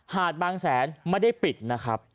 หาดบางแสนไม่ได้ปิดนะครับ